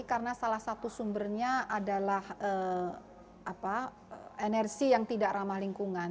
karena salah satu sumbernya adalah energi yang tidak ramah lingkungan